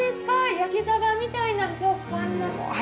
焼きサバみたいな食感。